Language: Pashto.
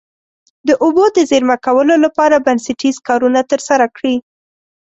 د اوبو د زیرمه کولو لپاره بنسټیز کارونه ترسره کړي.